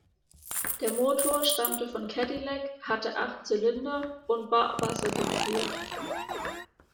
Der Motor stammte von Cadillac, hatte acht Zylinder und war wassergekühlt.